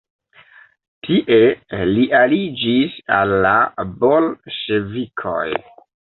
Tie li aliĝis al la Bolŝevikoj.